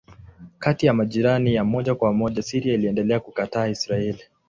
Kati ya majirani ya moja kwa moja Syria iliendelea kukataa Israeli.